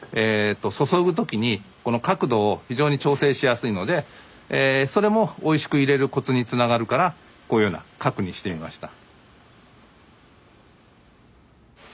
注ぐ時にこの角度を非常に調整しやすいのでそれもおいしく入れるコツにつながるからこういうような角にしてみました。